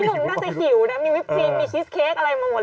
พี่หลงน่าจะหิวนะมีวิฟก์ครีมมีชิสเค้กอะไรมาหมดเหรอ